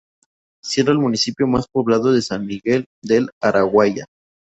Siendo el municipio más poblado San Miguel del Araguaia.